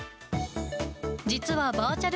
実は、バーチャル